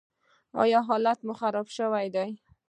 ایا حالت مو خراب شوی دی؟